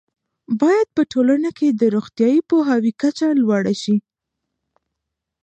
باید په ټولنه کې د روغتیايي پوهاوي کچه لوړه شي.